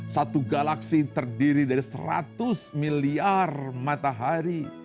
satu galaksi terdiri dari seratus miliar matahari